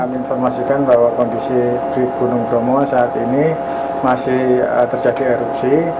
kami informasikan bahwa kondisi di gunung bromo saat ini masih terjadi erupsi